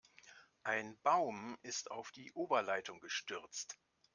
Ein Baum ist auf die Oberleitung gestürzt.